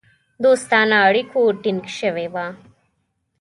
دوستانه اړیکو ټینګ سوي وه.